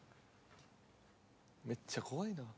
めっちゃ怖いな。